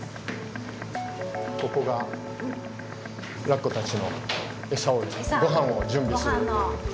ここがラッコたちのエサをごはんを準備する部屋です。